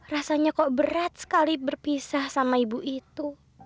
rasanya kok berat sekali berpisah sama ibu itu